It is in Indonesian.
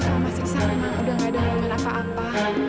aku tahu mas isan memang udah gak ada hubungan apa apa